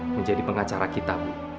menjadi pengacara kita